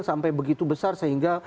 sampai begitu besar sehingga